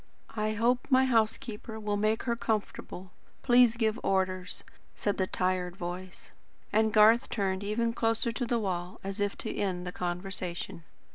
"I hope my housekeeper will make her comfortable. Please give orders," said the tired voice; and Garth turned even closer to the wall, as if to end the conversation.